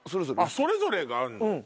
それぞれがあんの？